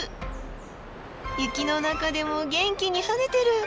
雪の中でも元気に跳ねてる。